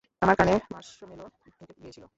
আমার কানে মার্শমেলো ঢুকে গিয়েছিল।